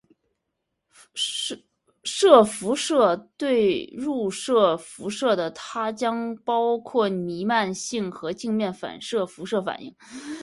射辐射对入射辐射的它将包括弥漫性和镜面反射辐射反映。